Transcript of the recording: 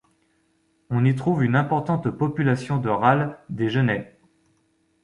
On y trouve une importante population de râles des genêts.